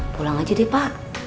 pulang aja deh pak